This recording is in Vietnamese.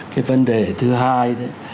cái vấn đề thứ hai đó